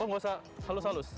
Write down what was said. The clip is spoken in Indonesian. oh gausah halus halus